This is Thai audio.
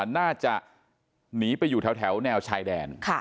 น่าจะหนีไปอยู่แถวแนวชายแดน